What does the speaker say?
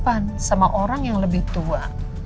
kita harus tetep sopan sama orang yang lebih tua